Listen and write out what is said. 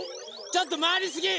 ちょっとまわりすぎ！